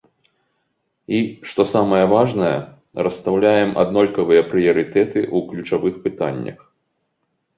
І, што самае важнае, расстаўляем аднолькавыя прыярытэты ў ключавых пытаннях.